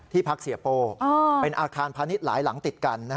พักเสียโป้เป็นอาคารพาณิชย์หลายหลังติดกัน